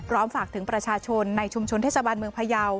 ฝากถึงประชาชนในชุมชนเทศบาลเมืองพยาว